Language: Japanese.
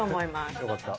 よかった。